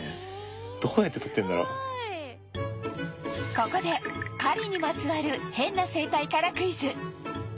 ここで狩りにまつわるヘンな生態からクイズ